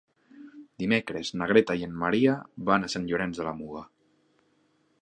Dimecres na Greta i en Maria van a Sant Llorenç de la Muga.